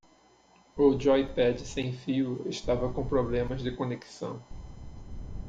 O joypad sem fio estava com problemas de conexão.